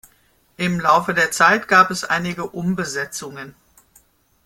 Im Laufe der Zeit gab es einige Umbesetzungen.